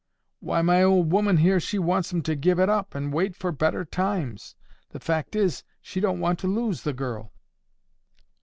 "Why, my old 'oman here. She wants 'em to give it up, and wait for better times. The fact is, she don't want to lose the girl."